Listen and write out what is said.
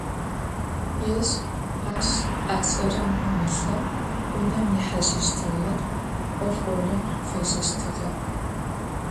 Ежь ащ ашӀэрэм пымылъэу, унэм ихьажьыщтыгъэ, Ӏоф горэм фежьэщтыгъэ.